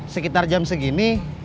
sekitar jam segini